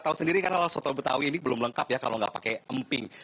tahu sendiri karena kalau soto betawi ini belum lengkap ya kalau nggak pakai emping